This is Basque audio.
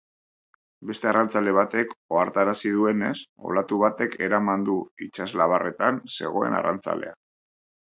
Beste arrantzale batek ohartarazi duenez, olatu batek eraman du itsaslabarretan zegoen arrantzalea.